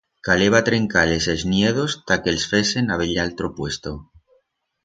Caleba trencar-les els niedos ta que els fesen a bell altro puesto.